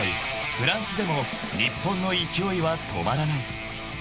フランスでも日本の勢いは止まらない］